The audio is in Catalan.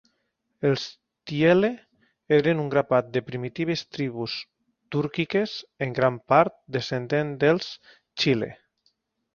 Els Tiele eren un grapat de primitives tribus túrquiques, en gran part descendents dels Xile.